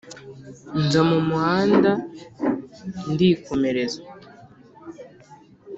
Nza mu muhanda ndikomereza.